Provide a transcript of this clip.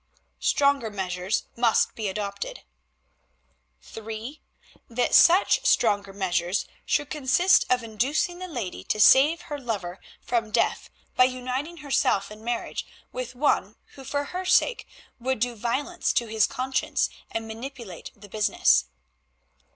stronger measures must be adopted. (3) That such stronger measures should consist of inducing the lady to save her lover from death by uniting herself in marriage with one who for her sake would do violence to his conscience and manipulate the business.